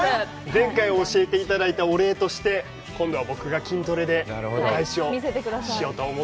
前回教えていただいたお礼として今度は僕が筋トレでお返しをしようと思って。